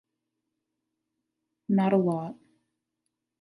Not a lot.